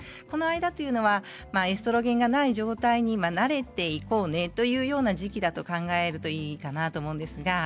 この間というのはエストロゲンがない状態に慣れていこうねというような時期だと考えていくといいと思います。